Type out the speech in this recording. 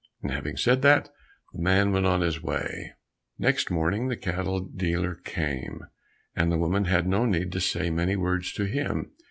And having said that, the man went on his way. Next morning the cattle dealer came, and the woman had no need to say many words to him.